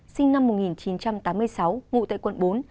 sinh năm một nghìn chín trăm tám mươi sáu ngụ tại quận bốn